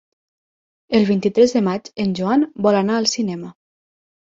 El vint-i-tres de maig en Joan vol anar al cinema.